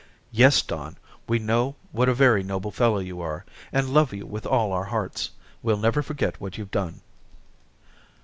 "Yes, Don, we know what a very noble fellow you are, and love you with all our hearts. We'll never forget what you've done."